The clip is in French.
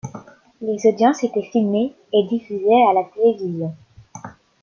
Les audiences étaient filmées et diffusées à la télévision.